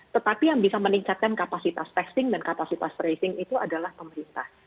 tetapi yang bisa meningkatkan kapasitas testing dan kapasitas tracing itu adalah pemerintah